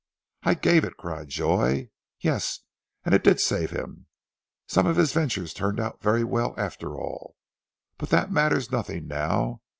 "I gave it," cried Joy. "Yes! and it did save him. Some of his ventures turned out very well after all, but that matters nothing now.